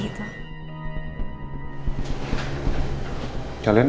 kalian kok bisa datang barengan